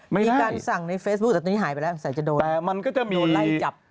มีการสั่งในเฟซบุ๊กแต่ตอนนี้หายไปแล้วใส่จะโดนโดนไล่จับ